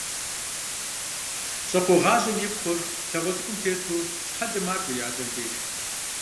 Щӏакхъуэгъажьэм и пхъур, лъагъуэ цӏыкӏум тету щхьэлым макӏуэ и адэм деж.